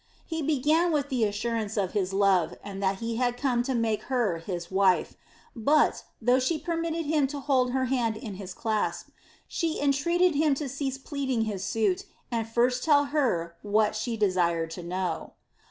He began with the assurance of his love and that he had come to make her his wife; but, though she permitted him to hold her hand in his clasp, she entreated him to cease pleading his suit and first tell her what she desired to know.